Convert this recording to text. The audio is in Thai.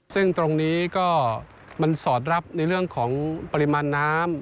ซึ่งตรงนี้ก็มันสอดรับในเรื่องของปริมาณน้ำ